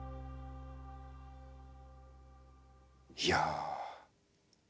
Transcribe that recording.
いや